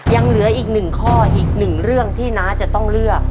ยังเหลืออีก๑ข้ออีก๑เรื่องที่นานัทจะต้องเลือก